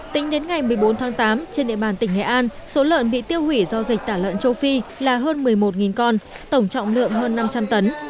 tính đến ngày một mươi bốn tháng tám trên địa bàn tỉnh nghệ an số lợn bị tiêu hủy do dịch tả lợn châu phi là hơn một mươi một con tổng trọng lượng hơn năm trăm linh tấn